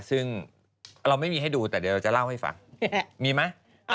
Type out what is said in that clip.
ซึ่งเราไม่มีให้ดูแต่เดี๋ยวเราจะเล่าให้ฟังมีไหมไปดูคลิปก่อนงั้นไปดูคลิปก่อน